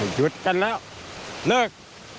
หยุดกันแล้วเลิก